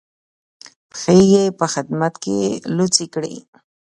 پښې یې په خدمت کې لڅې کړې.